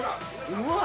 うまい！